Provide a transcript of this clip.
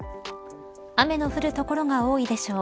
雨の降る所が多いでしょう。